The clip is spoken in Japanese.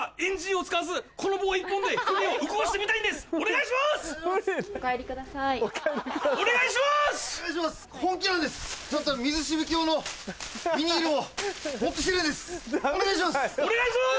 お願いします！